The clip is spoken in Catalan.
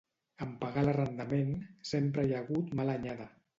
En pagar l'arrendament, sempre hi ha hagut mala anyada.